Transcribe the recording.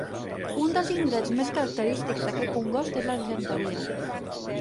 Un dels indrets més característics d'aquest congost és l'Argenteria.